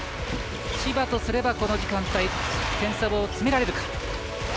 千葉とすればこの時間帯点差を詰められるか。